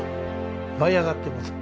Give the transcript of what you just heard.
舞い上がってます。